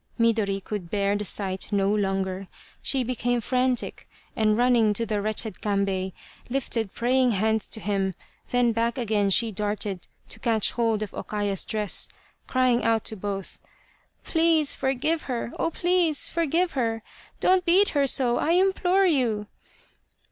Midori could bear the sight no longer. She became frantic, and running to the wretched Kambei, lifted praying hands to him : then back again she darted to catch hold of O Kaya's dress, crying out to both :" Please, forgive her ; oh, please, forgive her ! Don't beat her so, I implore you